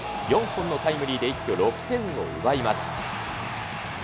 ４本のタイムリーで一挙６点を奪います。